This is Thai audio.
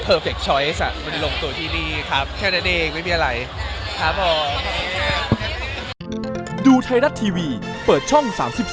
ไม่ได้ลงตัวที่นี่ครับแค่นั้นเองไม่มีอะไรครับผม